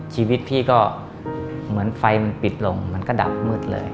ชีวิตพี่ก็เหมือนไฟมันปิดลงมันก็ดับมืดเลย